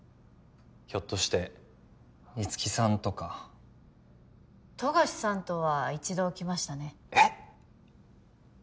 ひょっとして五木さんとか富樫さんとは一度来ましたねえっ？